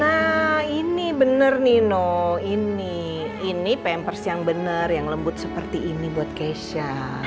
nah ini bener nino ini pampers yang bener yang lembut seperti ini buat keisha